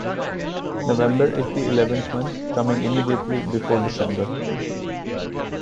November is the eleventh month, coming immediately before December